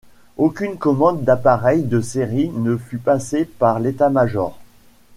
Aucune commande d'appareils de série ne fut passée par l'état-major.